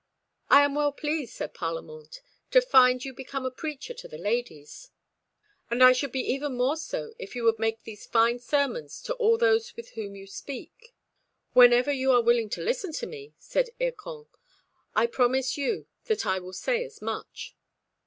"I am well pleased," said Parlamente, "to find you become a preacher to the ladies, and I should be even more so if you would make these fine sermons to all those with whom you speak." "Whenever you are willing to listen to me," said Hircan, "I promise you that I will say as much."